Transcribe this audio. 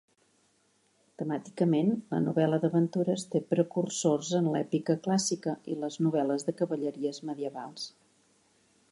Temàticament, la novel·la d'aventures té precursors en l'èpica clàssica i les novel·les de cavalleries medievals.